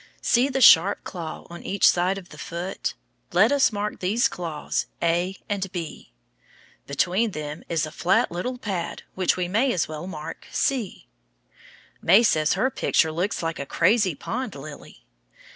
See the sharp claw on each side of the foot. Let us mark these claws a and b. Between them is a flat little pad which we may as well mark c. May says her picture looks like a crazy pond lily.